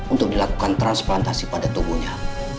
untuk dilakukan transplantasi pada tubuhnya